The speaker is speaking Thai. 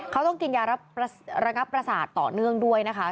เขาต้องกินยาระงับประสาทต่อเนื่องด้วยนะคะ